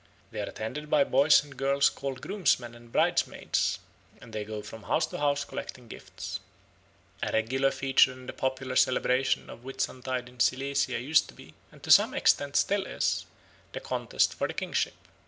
They are attended by boys and girls called groomsmen and bridesmaids, and they go from house to house collecting gifts. A regular feature in the popular celebration of Whitsuntide in Silesia used to be, and to some extent still is, the contest for the kingship.